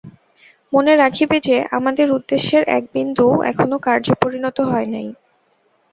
মনে রাখিবে যে, আমাদের উদ্দেশ্যের এক বিন্দুও এখনও কার্যে পরিণত হয় নাই।